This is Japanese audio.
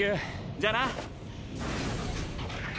じゃあな。